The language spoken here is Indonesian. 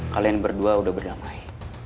kalian berdua udah berdamai